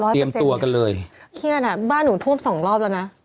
เตรียมตัวกันเลยเครียดอ่ะบ้านหนูท่วมสองรอบแล้วนะ